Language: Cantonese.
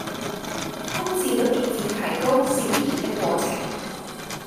空置率逐漸提高是必然的過程